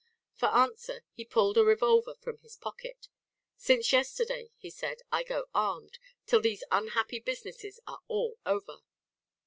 For answer he pulled a revolver from his pocket. "Since yesterday," he said, "I go armed, till these unhappy businesses are all over!"